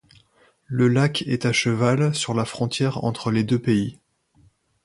Le lac est à cheval sur la frontière entre les deux pays.